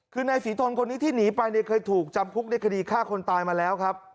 คือนายศรีทนคนนี้ที่หนีไปเนี่ยเคยถูกจำคุกในคดีฆ่าคนตายมาแล้วครับ